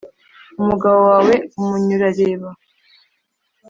Umugabo wawe, umunyurareba